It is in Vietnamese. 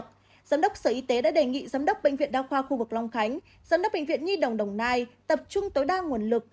giám đốc sở y tế đã đề nghị giám đốc bệnh viện đa khoa khu vực long khánh giám đốc bệnh viện nhi đồng đồng nai tập trung tối đa nguồn lực